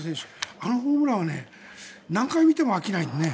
あのホームランは何回見ても飽きないね。